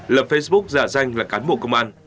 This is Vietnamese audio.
lập facebook giả danh là cán bộ công an